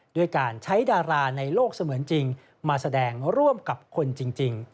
ด้วยการใช้ดาราในโลกเสมือนจริงมาแสดงร่วมกับคนจริง